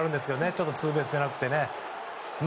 ちょっとツーベースじゃなくて。